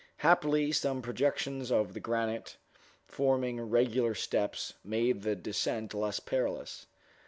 Happily some projections of the granite, forming regular steps, made the descent less perilous.